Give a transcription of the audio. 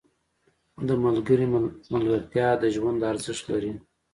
• د ملګري ملګرتیا د ژوند ارزښت لري.